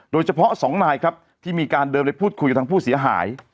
โดยเฉพาะสองนายครับที่มีการเดินไปพูดคุยกับทางผู้เสียหาย